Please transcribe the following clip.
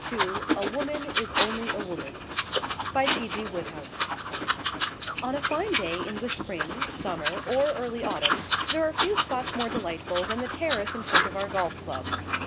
2 A Woman is only a Woman On a fine day in the spring, summer, or early autumn, there are few spots more delightful than the terrace in front of our Golf Club.